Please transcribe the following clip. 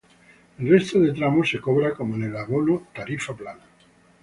El resto de tramos se cobra cómo en el abono tarifa plana.